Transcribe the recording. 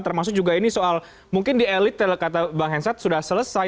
termasuk juga ini soal mungkin di elite kata bang hensat sudah selesai